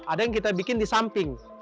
ada yang kita bikin di samping